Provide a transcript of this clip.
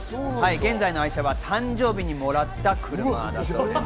現在の愛車は誕生日にもらった車なんだそうです。